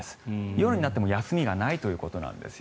夜になっても休みがないということなんです。